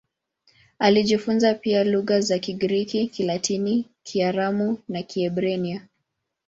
Alijifunza pia lugha za Kigiriki, Kilatini, Kiaramu na Kiebrania.